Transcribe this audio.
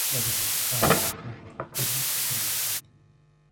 ولمن خاف مقام ربه جنتان